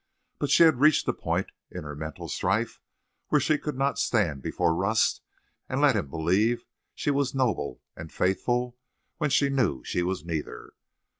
But she had reached a point in her mental strife where she could not stand before Rust and let him believe she was noble and faithful when she knew she was neither.